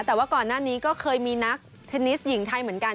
แต่ว่าก่อนหน้านี้ก็เคยมีนักเทนนิสหญิงไทยเหมือนกัน